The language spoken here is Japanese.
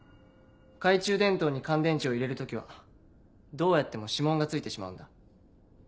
懐中電灯に乾電池を入れる時はどうやっても指紋が付いてしまうんだ。